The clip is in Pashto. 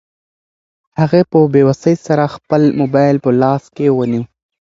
هغې په بې وسۍ سره خپل موبایل په لاس کې ونیو.